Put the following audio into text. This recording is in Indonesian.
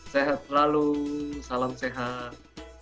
sehat selalu salam sehat